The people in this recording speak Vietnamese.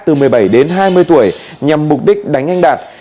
từ một mươi bảy đến hai mươi tuổi nhằm mục đích đánh anh đạt